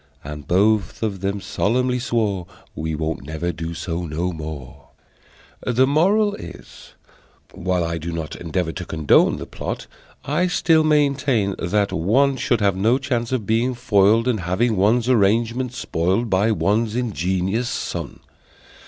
And both of them solemnly swore "We won't never do so no more!" The Moral is: While I do not Endeavor to condone the plot, I still maintain that one Should have no chance of being foiled, And having one's arrangements spoiled By one's ingenious son.